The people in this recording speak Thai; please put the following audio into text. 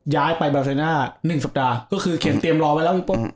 ย้ายไปบาเซน่า๑สัปดาห์ก็คือเขียนเตรียมรอไว้แล้วปุ๊บ